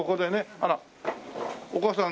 あらっお母さん